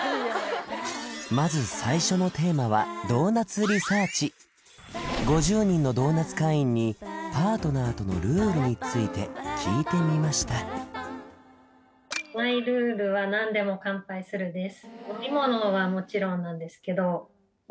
まず最初のテーマは５０人のドーナツ会員にパートナーとのルールについて聞いてみましたマイルールは「なんでも乾杯する」です